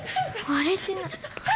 割れてない。